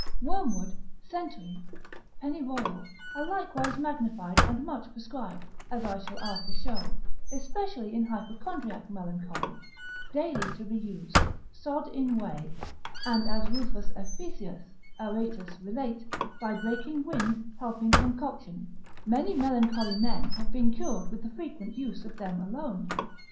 Wormwood, centaury, pennyroyal, are likewise magnified and much prescribed (as I shall after show), especially in hypochondriac melancholy, daily to be used, sod in whey: and as Ruffus Ephesias, Areteus relate, by breaking wind, helping concoction, many melancholy men have been cured with the frequent use of them alone.